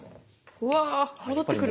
うわ戻ってくる。